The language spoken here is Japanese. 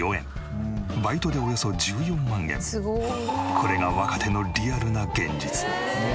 これが若手のリアルな現実。